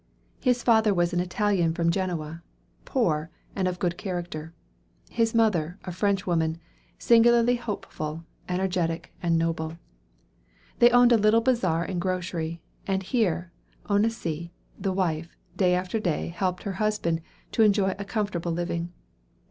His father was an Italian from Genoa, poor, and of good character; his mother, a French woman, singularly hopeful, energetic, and noble. They owned a little bazaar and grocery, and here, Onasie, the wife, day after day helped her husband to earn a comfortable living.